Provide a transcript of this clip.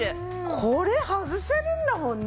これ外せるんだもんね。